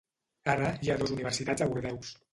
Ara, hi ha dos universitats a Bordeus.